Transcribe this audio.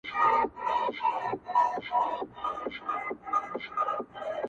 ډېوې پوري.